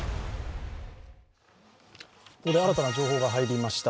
新たな情報が入りました。